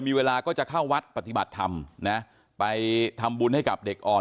มีเวลาก็จะเข้าวัดปฏิบัติธรรมนะไปทำบุญให้กับเด็กอ่อน